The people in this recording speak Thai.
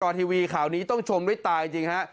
ตอนทีวีข่าวนี้ต้องชมด้วยตายจริงครับ